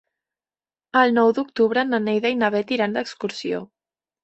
El nou d'octubre na Neida i na Bet iran d'excursió.